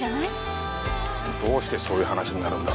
どうしてそういう話になるんだ？